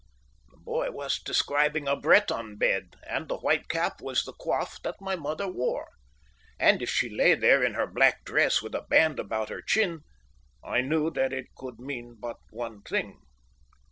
The boy was describing a Breton bed, and the white cap was the coiffe that my mother wore. And if she lay there in her black dress, with a band about her chin, I knew that it could mean but one thing.